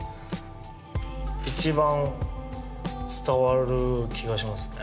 一番伝わる気がしますね